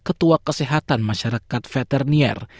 yang kita sebutnya h lima n satu yang telah berkembang di tahun ke dua